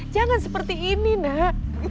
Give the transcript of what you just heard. jangan seperti ini nak